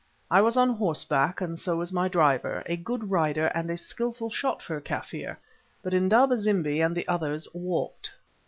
I was on horseback, and so was my driver, a good rider and a skilful shot for a Kaffir, but Indaba zimbi and the others walked.